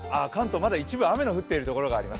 まだ一部、雨の降っている所があります。